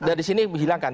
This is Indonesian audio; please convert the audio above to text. dari sini hilangkan